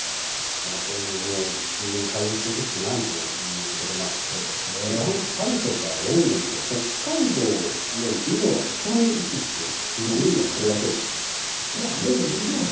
こういうのに人間も対応していくしかないということでフランス・パリとかロンドンって北海道より緯度は北に位置しているのにこれだけの気温という。